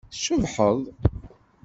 Tcebḥeḍ.